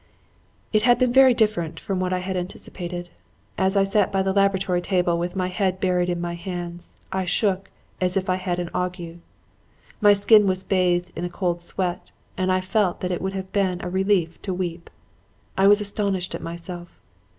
"It had been very different from what I had anticipated. As I sat by the laboratory table with my head buried in my hands, I shook as if I had an ague; my skin was bathed in a cold sweat and I felt that it would have been a relief to weep. I was astonished at myself.